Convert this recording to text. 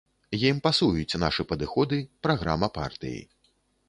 Ім пасуюць нашы падыходы, праграма партыі.